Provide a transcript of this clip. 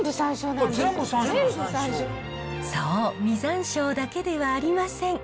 そう実ざんしょうだけではありません。